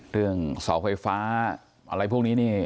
เรื่องเสาไฟฟ้าอะไรพวกนี้นี่